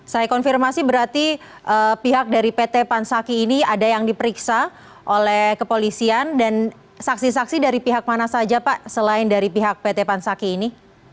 saya konfirmasi berarti pihak dari pt pansaki ini ada yang diperiksa oleh kepolisian dan saksi saksi dari pihak mana saja pak selain dari pihak pt pansaki ini